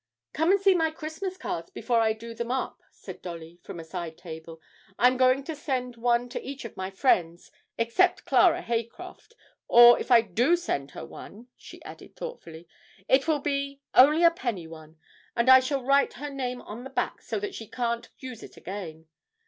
'Come and see my Christmas cards before I do them up,' said Dolly from a side table; 'I'm going to send one to each of my friends, except Clara Haycraft, or if I do send her one,' she added thoughtfully, 'it will be only a penny one, and I shall write her name on the back so that she can't use it again.